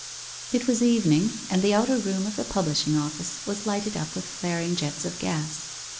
It was evening, and the outer room of the publishing office was lighted up with flaring jets of gas.